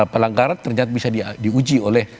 pelanggaran ternyata bisa diuji oleh